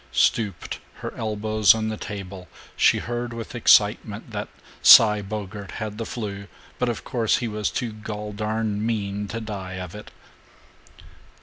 Stooped, her elbows on the table, she heard with excitement that "Cy Bogart had the 'flu, but of course he was too gol darn mean to die of it."